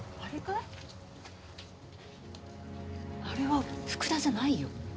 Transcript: あれは福田じゃないよ。